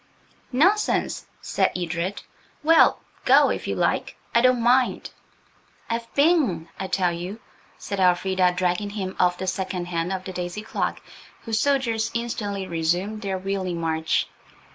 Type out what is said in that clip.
"Nonsense," said Edred. "Well, go if you like; I don't mind." "I've been, I tell you," said Elfrida, dragging him off the second hand of the daisy clock, whose soldiers instantly resumed their wheeling march.